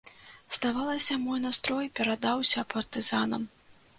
Здавалася, мой настрой перадаўся партызанам.